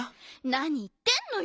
なにいってんのよ！